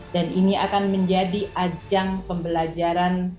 dan ini akan menjadi ajang pembelajaran